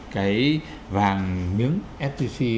cái vàng miếng ftc